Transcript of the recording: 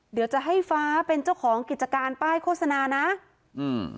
เดี๋ยวจะให้ฟ้าเป็นเจ้าของกิจการป้ายโฆษณานะอืม